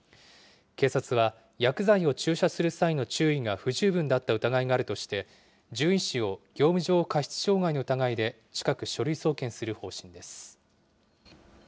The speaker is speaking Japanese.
警察は、薬剤を注射する際の注意が不十分だった疑いがあるとして、獣医師を業務上過失傷害の疑いで近く書類送検する方針です。